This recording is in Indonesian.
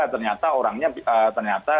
ternyata orangnya ternyata